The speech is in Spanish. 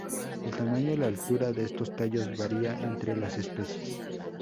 El tamaño y la altura de estos tallos varía entre las especies.